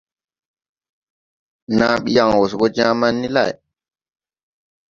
Naa bi yaŋ wɔ se bɔ Jaaman ni lay.